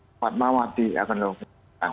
tempat mawati akan lakukan penyekatan